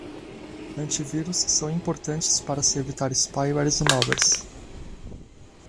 Antivírus são importantes para se evitar spywares e malwares